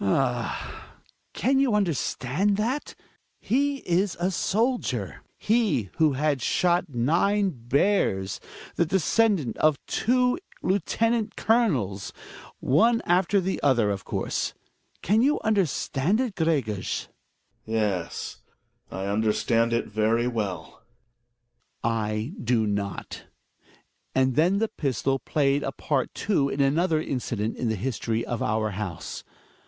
Ah ! Can you understand that? He a soldier; he who had shot nine bears, the descendant of two lieutenant colonels — one after the other, of course. Can you understand it, Gregers ? ^^f^REGERS. Yes, I understand it very well . Hjalmar. I do not. And then the pistol played a yart too in another incident in the history of our house.